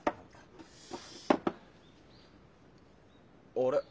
あれ？